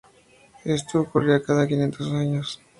Esto ocurría cada quinientos años.